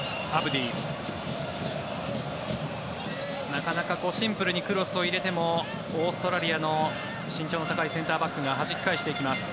なかなかシンプルにクロスを入れてもオーストラリアの身長の高いセンターバックがはじき返していきます。